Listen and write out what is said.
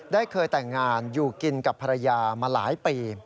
เคยแต่งงานอยู่กินกับภรรยามาหลายปี